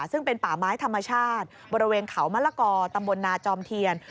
ซึ่งเป็นป่าไม้ธรรมชาติบริเวณเขามะละกอตำบลนาจอมเทียน